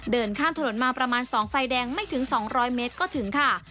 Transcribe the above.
เดินข้ามถนนมาประมาณ๒ไฟแดงไม่ถึง๒๐๐เมตรก็ถึงค่ะ